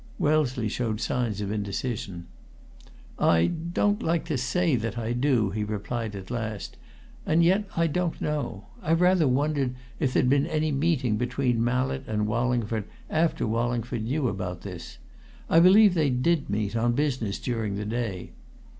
Wellesley showed signs of indecision. "I don't like to say that I do," he replied at last. "And yet, I don't know. I've rather wondered if there'd been any meeting between Mallett and Wallingford after Wallingford knew about this: I believe they did meet, on business, during the day.